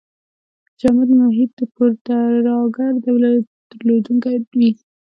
جامد محیط د پوډراګر درلودونکی وي.